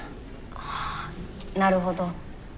ああなるほど。